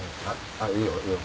あっいいよいいよ。